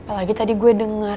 apalagi tadi gue denger